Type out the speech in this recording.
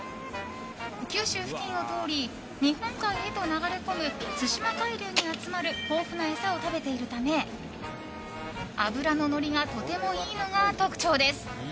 九州付近を通り日本海へと流れ込む対馬海流に集まる豊富な餌を食べているため脂ののりがとてもいいのが特徴です。